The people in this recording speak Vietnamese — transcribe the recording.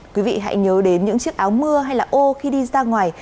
quý vị hãy nhớ đến những chiếc áo mưa hay là ô khi đi ra ngoài